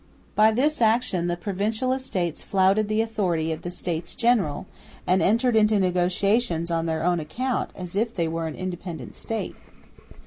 By this action the Provincial Estates flouted the authority of the States General and entered into negotiations on their own account, as if they were an independent State.